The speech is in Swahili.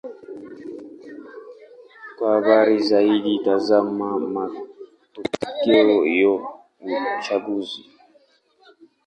Kwa habari zaidi: tazama matokeo ya uchaguzi.